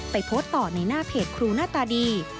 โพสต์ต่อในหน้าเพจครูหน้าตาดี